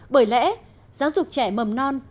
bởi lẽ giáo dục trẻ mầm non